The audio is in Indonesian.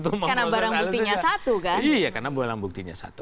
karena barang buktinya satu